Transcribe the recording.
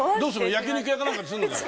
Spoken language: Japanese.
焼き肉屋かなんかにするのかい？